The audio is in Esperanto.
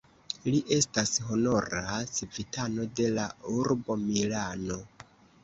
Li estas honora civitano de la urbo Milano.